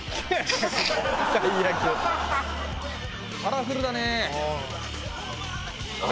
カラフルだね。